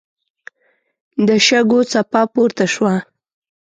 د شګو څپه پورته شوه.